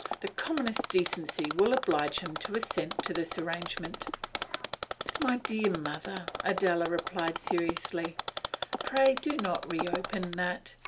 The commonest decency will oblige him to assent to this arrangement.' 'My dear mother,' Adela replied seriously, 'pray do not reopen that.